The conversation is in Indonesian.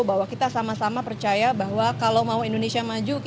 bahwa kita sama sama percaya bahwa kalau mau indonesia maju